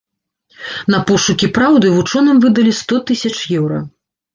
На пошукі праўды вучоным выдалі сто тысяч еўра.